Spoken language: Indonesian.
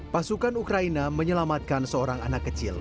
pasukan ukraina menyelamatkan seorang anak kecil